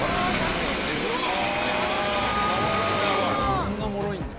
こんなもろいんだ。